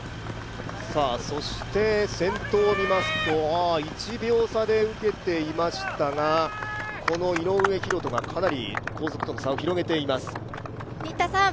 そして先頭を見ますと、１秒差で受けていましたががこの井上大仁がかなり後続と差を広げています。